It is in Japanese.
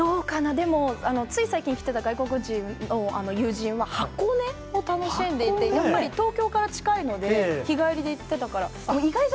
でもつい最近来てた外国人の友人は箱根、楽しんでいて、やっぱり東京から近いので、日帰りで行ってたから。